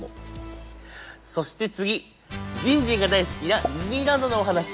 そして次じんじんが大好きなディズニーランドのお話。